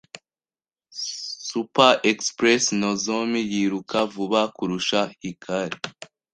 Superexpress Nozomi yiruka vuba kurusha Hikari.